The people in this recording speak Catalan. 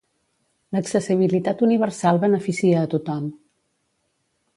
L'accessibilitat universal beneficia a tothom.